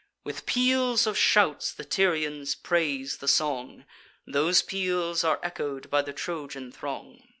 With peals of shouts the Tyrians praise the song: Those peals are echo'd by the Trojan throng.